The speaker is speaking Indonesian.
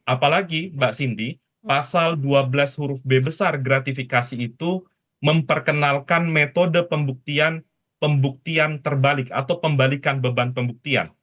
apalagi mbak cindy pasal dua belas huruf b besar gratifikasi itu memperkenalkan metode pembuktian terbalik atau pembalikan beban pembuktian